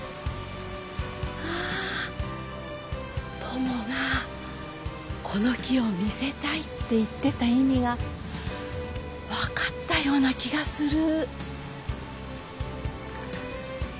トモがこの木を見せたいって言ってた意味が分かったような気がする。